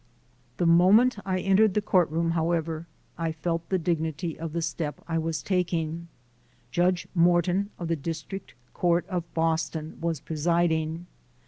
The moment I entered the courtroom, however, I felt the dignity of the step I was taking. Judge Morton of the District Court of Boston was pre siding.